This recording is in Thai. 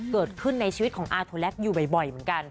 เกิดขึ้นในชีวิตของอาโทแล็กอยู่บ่อยเหมือนกัน